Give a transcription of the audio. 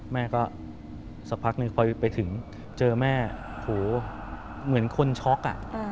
แม่ก็สักพักหนึ่งพอไปถึงเจอแม่โหเหมือนคนช็อก